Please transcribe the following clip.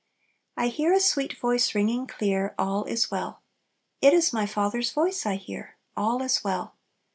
"I hear a sweet voice ringing clear, 'All is well!' It is my Father's voice I hear, All is well!